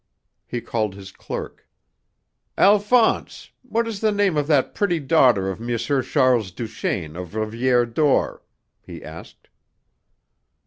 He called his clerk. "Alphonse, what is the name of that pretty daughter of M. Charles Duchaine, of Rivière d'Or?" he asked.